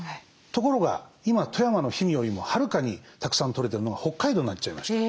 ところが今富山の氷見よりもはるかにたくさん取れてるのが北海道になっちゃいました。